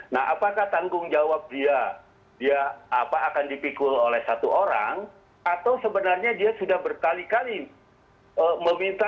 nah apakah tanggung jawab dia dia akan dipikul oleh satu orang atau sebenarnya dia sudah berkali kali meminta